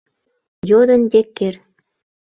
— йодын Деккер.